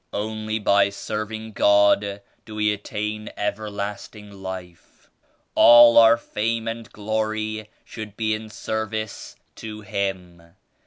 Only by serving God do we attain everlasting Life. All our fame and glory should be in service to Him.